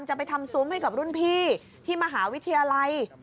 จะไปทำซุ้มให้กับรุ่นพี่ที่มหาวิทยาลัย